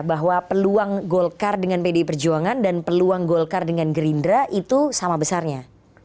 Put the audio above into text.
bahwa peluang golkar dengan pdi perjuangan dan peluang golkar dengan gerindra itu sama besarnya